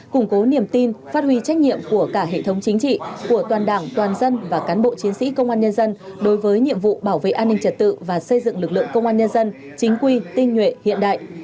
củng cố niềm tin phát huy trách nhiệm của cả hệ thống chính trị của toàn đảng toàn dân và cán bộ chiến sĩ công an nhân dân đối với nhiệm vụ bảo vệ an ninh trật tự và xây dựng lực lượng công an nhân dân chính quy tinh nhuệ hiện đại